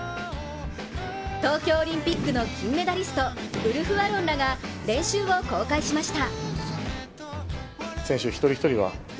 東京オリンピックの金メダリストウルフアロンらが練習を公開しました。